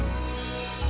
luo udah tau